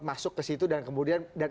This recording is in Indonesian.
masuk ke situ dan kemudian